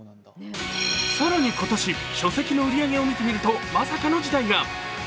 更に今年、書籍の売り上げを見てみると、まさかの事態が。